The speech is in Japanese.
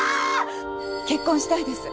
結婚したいです。